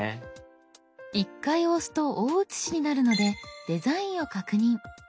１回押すと大写しになるのでデザインを確認。